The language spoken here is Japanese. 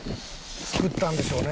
「作ったんでしょうね